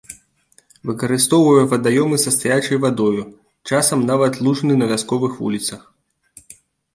Выкарыстоўвае вадаёмы са стаячай вадою, часам нават лужыны на вясковых вуліцах.